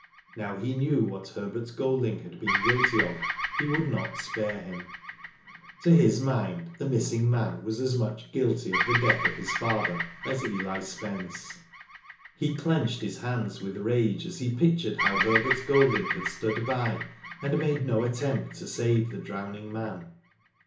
Now he knew what Herbert Golding had been guilty of he would not spare him. To his mind the Digitized byGoogk jsS IV//0 DID ITf missing man was as much guilty of the death of Ills father as Eli Spence. He clenched his hands with rage as he pictured how Herbert Golding had stood by and made no attempt to save the drowning man.